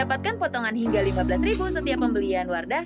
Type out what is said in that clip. dapatkan potongan hingga rp lima belas setiap pembelian wardah